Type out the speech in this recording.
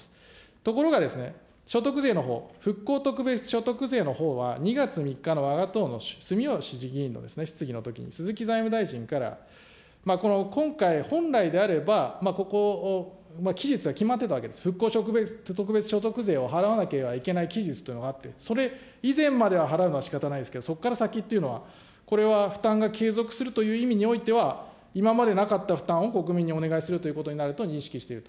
ところがですね、所得税のほう、復興特別所得税のほうは２月３日のわが党のすみよし議員の質疑のときに、鈴木財務大臣から今回、本来であれば、ここ期日は決まってたわけです、復興特別所得税を払わなければいけない期日というのがあって、それ以前までは払うのはしかたないですけど、そこから先っていうのは、これは負担が継続するという意味においては、今までなかった負担を国民にお願いするということになると認識していると。